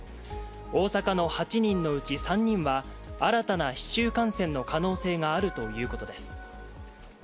大阪の８人のうち３人は新たな市中感染の可能性があるということです。